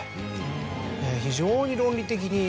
非常に論理的に。